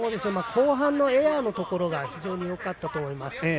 後半のエアのところが非常によかったと思います。